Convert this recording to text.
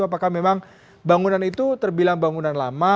apakah memang bangunan itu terbilang bangunan lama